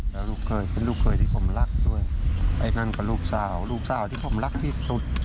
แล้วลูกเคยเป็นลูกเคยที่ผมรักด้วยไอ้นั่นก็ลูกสาวลูกสาวที่ผมรักที่สุด